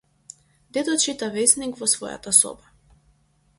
Дедо чита весник во својата соба.